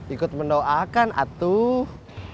ikut mendoakan atuh